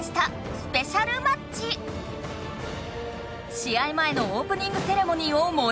試合前のオープニングセレモニーをもり上げるべく！